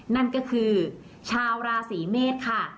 นั่นก็คือชาวราศีเมษค่ะ